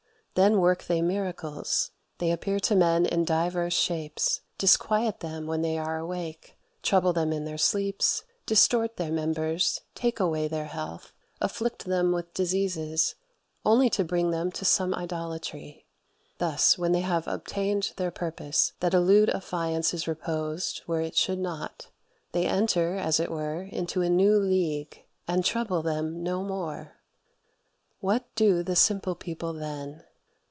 Then work they miracles. They appear to men in divers shapes; disquiet them when they are awake; trouble them in their sleeps; distort their members; take away their health; afflict them with diseases; only to bring them to some idolatry. Thus, when they have obtained their purpose that a lewd affiance is reposed where it should not, they enter (as it were) into a new league, and trouble them no more. What do the simple people then?